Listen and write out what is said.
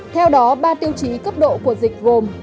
theo đó ba tiêu chí cấp độ của dịch gồm